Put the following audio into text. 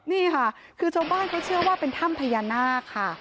นี่ค่ะคือชาวบ้านเขาเชื่อว่าเป็นถ้ำพญานาคค่ะ